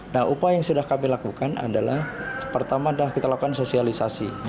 nah upaya yang sudah kami lakukan adalah pertama kita lakukan sosialisasi